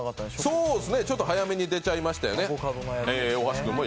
そうですね、早めに出ちゃいましたよね。